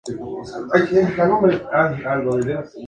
Colocación de la primera piedra del nuevo Palacio Legislativo.